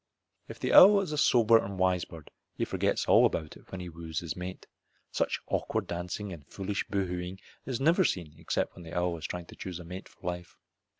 If the owl is a sober and wise bird he forgets all about it when he woos his mate. Such awkward dancing and foolish boo hoo ing is never seen except when the owl is trying to choose a mate for life.